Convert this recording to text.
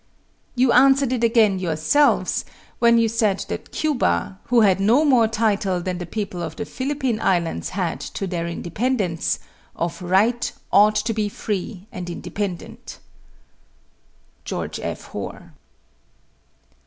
You answered it again yourselves when you said that Cuba, who had no more title than the people of the Philippine Islands had to their independence, of right ought to be free and independent. GEORGE F. HOAR.